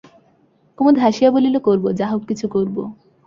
কুমুদ হাসিয়া বলিল, করব, যাহোক কিছু করব!